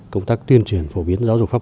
công tác tuyên truyền phổ biến giáo dục pháp